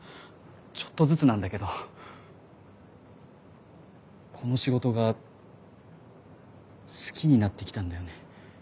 ちょっとずつなんだけどこの仕事が好きになって来たんだよね。